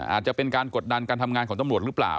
อาจจะเป็นการกดดันการทำงานของตำรวจหรือเปล่า